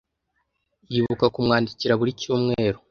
Yibuka kumwandikira buri cyumweru.